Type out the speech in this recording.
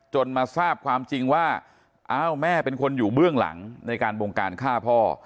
มาทราบความจริงว่าอ้าวแม่เป็นคนอยู่เบื้องหลังในการบงการฆ่าพ่อ